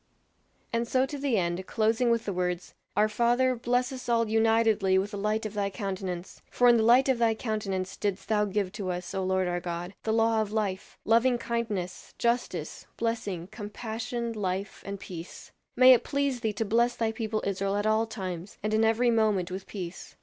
And so to the end, closing with the words, "Our Father, bless us all unitedly with the light of thy countenance; for in the light of thy countenance didst thou give to us, O Lord our God, the law of life, loving kindness, justice, blessing, compassion, life, and peace. May it please thee to bless thy people Israel at all times, and in every moment with peace.